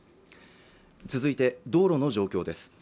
続いて道路の状況です